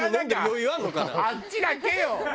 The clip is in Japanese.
あっちだけよ！